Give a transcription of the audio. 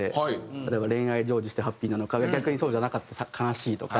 例えば恋愛成就してハッピーなのか逆にそうじゃなかったら悲しいとか。